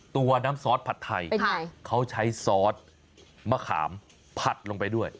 ตัวน้ำซอสผัดไทยเขาใช้ซอสมะขามผัดลงไปด้วย